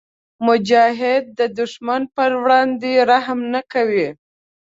مجاهد د دښمن پر وړاندې رحم نه کوي.